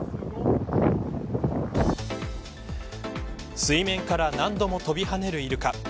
水面から何度も飛び跳ねるイルカ。